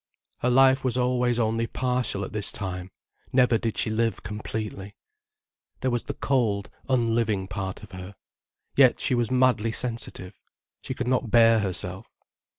Her life was always only partial at this time, never did she live completely. There was the cold, unliving part of her. Yet she was madly sensitive. She could not bear herself.